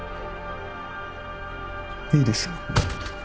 いいですよ。